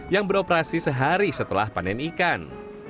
yang beroperasi sehari setelah panen ikan